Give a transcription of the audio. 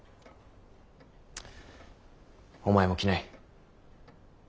お前も来ない。